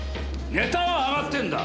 ネタは上がってんだ！